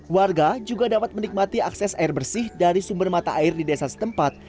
warga juga dapat menikmati akses air bersih dari sumber mata air di desa setempat